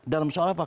dalam soal apa